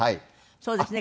そうですね。